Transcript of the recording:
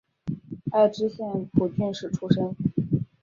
爱知县蒲郡市出身。